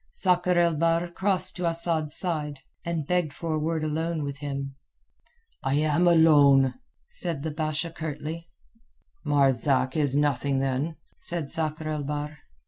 Sakr el Bahr crossed to Asad's side, and begged for a word alone with him. "I am alone," said the Basha curtly. "Marzak is nothing, then," said Sakr el Bahr.